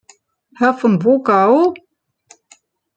Herr von Wogau!